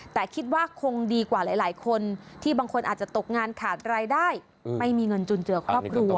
แต่คิดว่าคงดีกว่าหลายคนที่บางคนอาจจะตกงานขาดรายได้ไม่มีเงินจุนเจือครอบครัว